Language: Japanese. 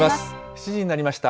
７時になりました。